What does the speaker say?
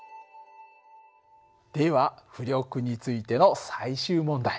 では浮力についての最終問題。